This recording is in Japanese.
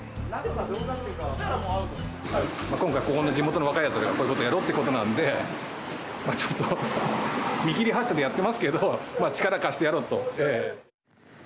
今回ここの地元の若いやつらがこういうことやろうということなんでまぁちょっと見切り発車でやってますけど力貸してやろうと。